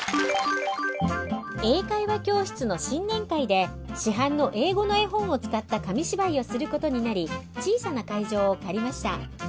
英会話教室の新年会で市販の英語の絵本を使った紙芝居をすることになり小さな会場を借りました。